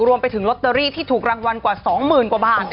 รวมไปถึงลอตเตอรี่ที่ถูกรางวัลกว่า๒๐๐๐กว่าบาท